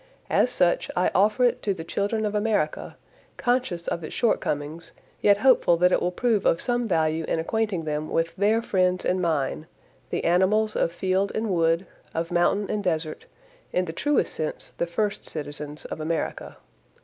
As such I offer it to the children of America, conscious of its shortcomings yet hopeful that it will prove of some value in acquainting them with their friends and mine the animals of field and wood, of mountain and desert, in the truest sense the first citizens of America.